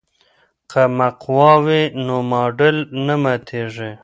که مقوا وي نو ماډل نه ماتیږي.